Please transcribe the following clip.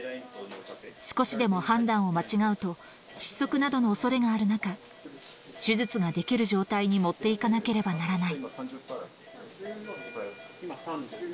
少しでも判断を間違うと、窒息などのおそれがある中、手術ができる状態に持っていかなければならない。